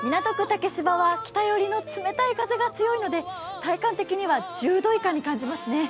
竹芝は北寄りの冷たい風が強いので体感的には１０度以下に感じますね。